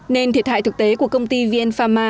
nên thiệt hại thực tế của công ty vn phạm ma